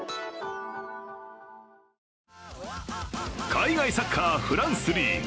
海外サッカー、フランスリーグ。